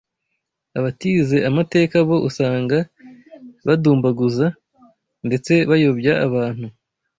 Abatize amateka bo usanga badumbaguza, ndetse bayobya abantu.”